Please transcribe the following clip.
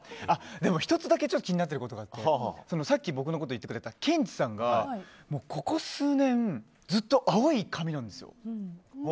でも１つだけ気になっていることがあってさっき僕のこと言ってくれたケンチさんがここ数年ずっと青い髪なんですよ。